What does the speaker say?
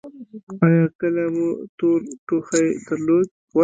ایا کله مو تور ټوخی درلود؟